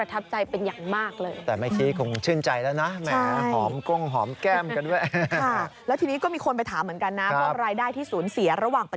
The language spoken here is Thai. แต่ที่นี่